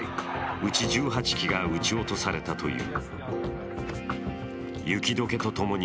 うち１８機が撃ち落とされたという。